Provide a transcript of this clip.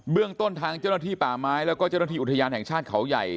เรื่องต้นทางเจ้าหน้าที่ป่าไม้แล้วก็เจ้าหน้าที่อุทยานแห่งชาติเขาใหญ่